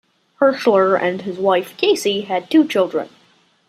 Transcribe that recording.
Herschler and his wife, Casey, had two children.